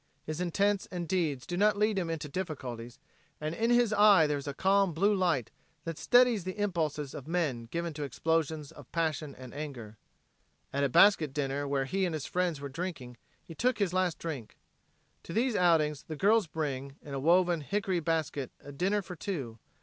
His intents and deeds do not lead him into difficulties, and in his eye there is a calm blue light that steadies the impulses of men given to explosions of passion and anger. At a basket dinner where he and his friends were drinking he took his last drink. To these outings the girls bring, in a woven, hickory basket, a dinner for two.